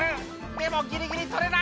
でもギリギリ取れない！」